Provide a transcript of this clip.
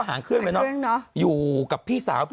อยากกันเยี่ยม